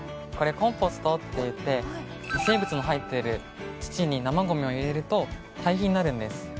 これコンポストといって微生物の入っている土に生ごみを入れると堆肥になるんです。